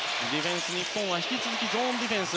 日本は引き続きゾーンディフェンス。